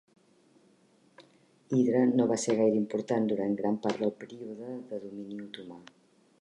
Hidra no va ser gaire important durant gran part del període de domini otomà.